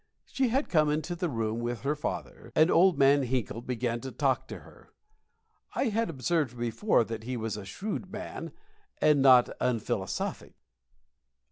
She had come into the room with her father, and Old Man Hinkle began to talk to her. I had observed before that he was a shrewd man, and not unphilosophic.